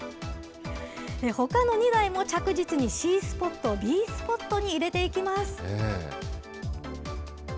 ほかの２台も着実にＣスポット、Ｂスポットに入れていきます。